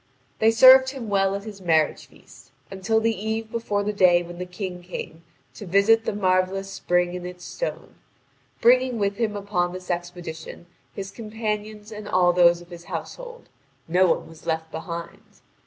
They served him well at his marriage feast, until the eve before the day when the King came to visit the marvellous spring and its stone, bringing with him upon this expedition his companions and all those of his household; not one was left behind.